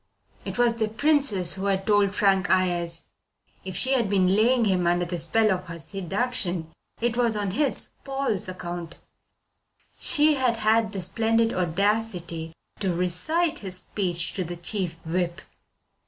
It was the Princess who had told Frank Ayres. If she had been laying him under the spell of her seduction it was on his, Paul's, account. She had had the splendid audacity to recite his speech to the Chief Whip.